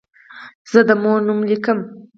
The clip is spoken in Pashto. زه د مور نوم لیکم.